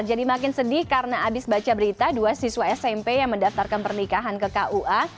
jadi makin sedih karena habis baca berita dua siswa smp yang mendaftarkan pernikahan ke kua